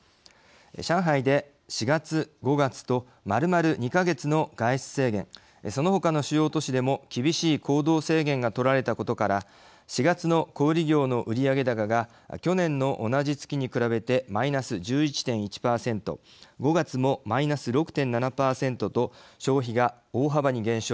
上海で４月、５月とまるまる２か月の外出制限そのほかの主要都市でも厳しい行動制限が取られたことから４月の小売業の売上高が去年の同じ月に比べてマイナス１１．１％５月もマイナス６．７％と消費が大幅に減少。